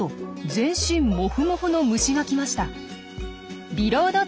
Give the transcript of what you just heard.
全身モフモフの虫が来ました。